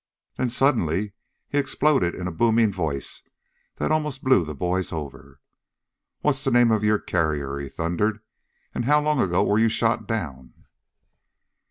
Then, suddenly, he exploded in a booming voice that almost blew the boys over. "What's the name of your carrier?" he thundered. "And how long ago were you shot down?"